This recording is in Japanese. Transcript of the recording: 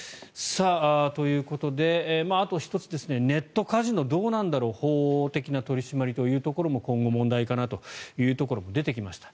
ということであと１つ、ネットカジノどうなんだろう法的な取り締まりというところも今後、問題かなというところも出てきました。